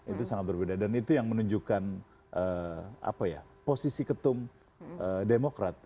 itu sangat berbeda dan itu yang menunjukkan posisi ketum demokrat